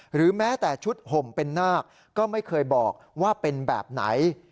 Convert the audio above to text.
หรือแม้แต่ชุดห่มเป็นนาคก็ไม่เคยบอกว่าเป็นแบบไหน